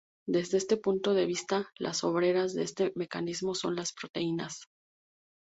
Desde este punto de vista, las "obreras" de este mecanismo son las proteínas.